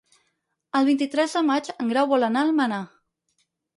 El vint-i-tres de maig en Grau vol anar a Almenar.